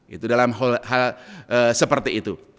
gitu dalam hal seperti itu